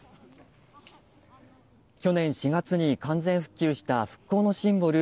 去年４月に完全復旧した復興のシンボル